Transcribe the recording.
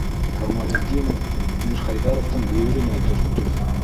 Камалетдинов Мирхәйҙәровтың бөйөрөнә төрттө: